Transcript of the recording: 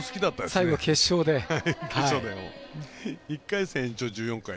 １回戦、延長１４回。